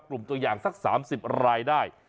กลุ่มตัวอย่างสัก๓๐รายได้